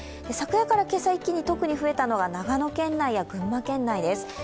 昨夜から今朝、一気に特に増えたのが長野県内や群馬県内です。